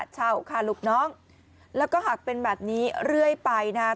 เช่าค่ะลูกน้องแล้วก็หากเป็นแบบนี้เรื่อยไปนะครับ